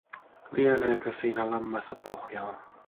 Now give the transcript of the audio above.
Lieneekö siinä lammessa pohjaa?